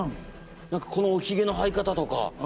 このひげの生え方とか。